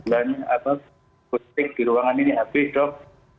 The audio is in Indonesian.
dan glukostik di ruangan ini habis dok